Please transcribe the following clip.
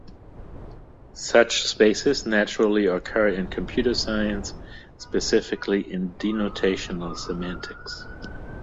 Such spaces naturally occur in computer science, specifically in denotational semantics.